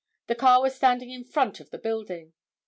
The car was standing in front of the building.